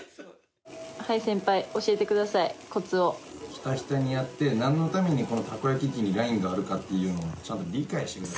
ひたひたにやって何のためにこのたこ焼き器にラインがあるかっていうのをちゃんと理解してください。